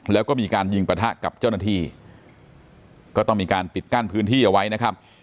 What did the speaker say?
แล้วก็มีการยิงประทะกับเจ้าหน้าที่ก็ต้องมีการปิดกั้นพื้นที่เอาไว้นะครับ